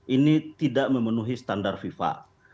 ini tidak memenuhi standar fifa